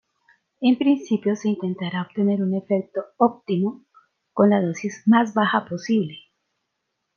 En principio se intentará obtener un efecto óptimo con la dosis más baja posible.